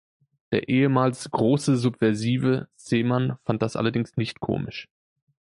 Der ehemals „große Subversive“ Szeemann fand das allerdings nicht komisch.